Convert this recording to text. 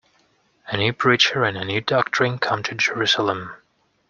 A new preacher and a new doctrine come to Jerusalem.